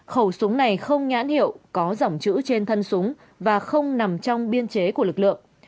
khẩu súng này không nhãn hiệu có dòng chữ trên thân súng và không nằm trong biên chế của lực lượng